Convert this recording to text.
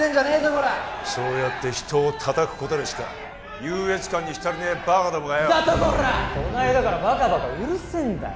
コラッそうやって人を叩くことでしか優越感に浸れねえバカどもがよ・何だとコラッ・この間からバカバカうるせえんだよ